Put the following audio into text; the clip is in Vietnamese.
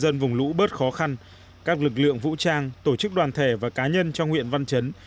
dân vùng lũ bớt khó khăn các lực lượng vũ trang tổ chức đoàn thể và cá nhân trong huyện văn chấn